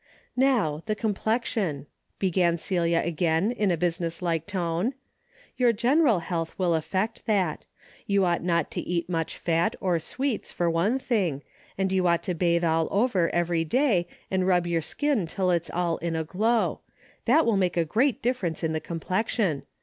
" How the complexion," began Celia again in a business like tone. " Your general health will affect that. You ought not to eat much fat or sweets for one thing, and you ought to bathe all over every day and rub your skin till it's all in a glow. That will make a great difference in the complexion.